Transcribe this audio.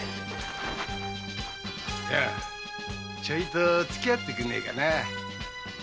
ちょいとつきあってくれねえかな。